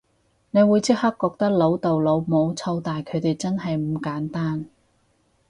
你會即刻覺得老豆老母湊大佢哋真係唔簡單